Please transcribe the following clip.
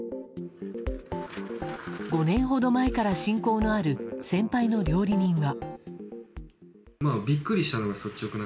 ５年ほど前から親交のある先輩の料理人は。